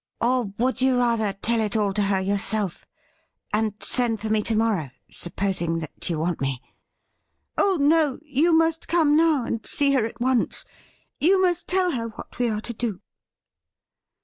' Or would you rather tell it all to her yourself, and send for me to morrow, supposing that you want me ?'' Oh no ; you must come now and see her at once. You must tell us what we are to do.'